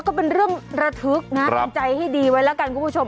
ก็เป็นเรื่องระทึกนะเป็นใจให้ดีไว้แล้วกันคุณผู้ชม